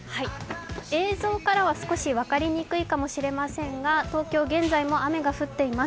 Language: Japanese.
映像からは少し分かりにくいかもしれませんが、東京、現在も雨が降っています。